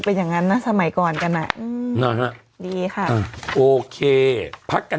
เป็นอย่างนั้นนะสมัยก่อนกันอ่ะอืมนะฮะดีค่ะโอเคพักกัน